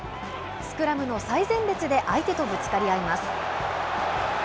スクラムの最前列で相手とぶつかり合います。